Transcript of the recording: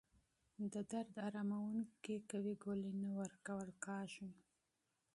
د درد اراموونکې قوي ګولۍ نه ورکول کېږي.